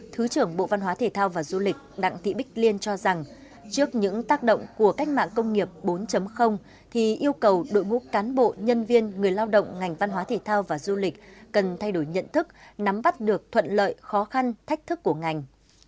thứ trưởng bộ văn hóa thể thao và du lịch đặng thị bích liên cho rằng trước những tác động của cách mạng công nghiệp bốn thì yêu cầu đội ngũ cán bộ nhân viên người lao động ngành văn hóa thể thao và du lịch cần thay đổi nhận thức nắm bắt được thuận lợi khó khăn thách thức của ngành